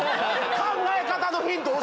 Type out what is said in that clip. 考え方のヒント。